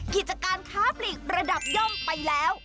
กิจการค้าปลีกระดับย่อมไปแล้ว